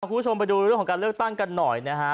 คุณผู้ชมไปดูเรื่องของการเลือกตั้งกันหน่อยนะฮะ